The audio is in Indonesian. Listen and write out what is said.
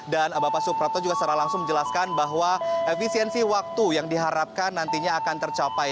bapak suprapto juga secara langsung menjelaskan bahwa efisiensi waktu yang diharapkan nantinya akan tercapai